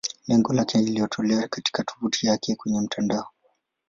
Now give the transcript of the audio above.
Lengo lake ni iliyotolewa katika tovuti yake kwenye mtandao.